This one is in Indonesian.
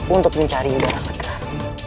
untuk mencari yudhara sekarang